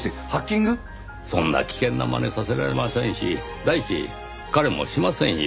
そんな危険なまねさせられませんし第一彼もしませんよ。